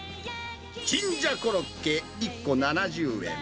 じんじゃコロッケ１個７０円。